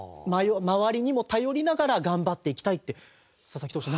周りにも頼りながら頑張っていきたいって佐々木投手